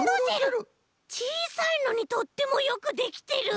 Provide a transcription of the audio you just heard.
ちいさいのにとってもよくできてる！